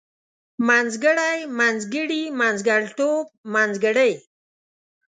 منځګړی منځګړي منځګړيتوب منځګړۍ